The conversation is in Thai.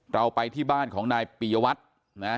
เราไปที่บ้านของนายปียวัตรนะ